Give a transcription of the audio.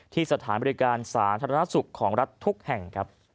สถานบริการสาธารณสุขของรัฐทุกแห่งครับ